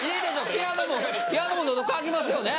ピアノも喉渇きますよね